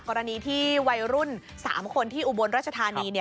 กรณีที่วัยรุ่น๓คนที่อุบลราชธานี